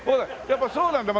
やっぱそうなんだ。